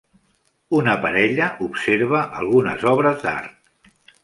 Una parella observa algunes obres d'art.